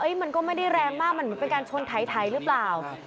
เอ๊ยมันก็ไม่ได้แรงมากมันเป็นการชนไทยไทยหรือเปล่า